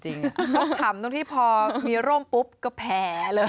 ต้องถามต้องที่พอมีร่มปุ๊บก็แพ้เลย